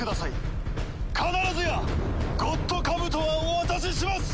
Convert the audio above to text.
必ずやゴッドカブトはお渡しします！